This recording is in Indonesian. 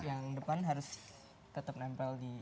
yang depan harus tetap nempel di